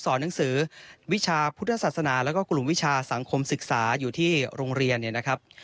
หนังสือวิชาพุทธศาสนาแล้วก็กลุ่มวิชาสังคมศึกษาอยู่ที่โรงเรียนเนี่ยนะครับ